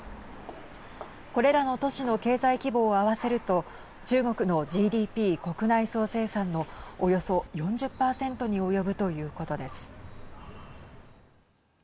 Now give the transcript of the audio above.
これらの都市の経済規模を合わせると中国のＧＤＰ＝国内総生産のおよそ４０％に及ぶということです。